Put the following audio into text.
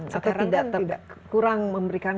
sekarang kan tidak kurang memberikan